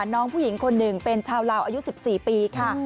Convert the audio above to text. น้องผู้หญิงคนหนึ่งเป็นชาวลาวอายุ๑๔ปีค่ะ